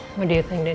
apa pendapatmu den